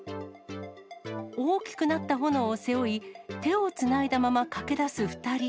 大きくなった炎を背負い、手をつないだまま駆けだす２人。